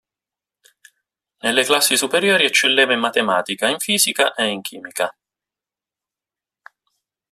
Nelle classi superiori eccelleva in matematica, in fisica e in chimica.